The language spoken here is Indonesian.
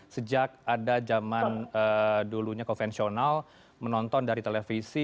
sejak ada zaman dulunya konvensional menonton dari televisi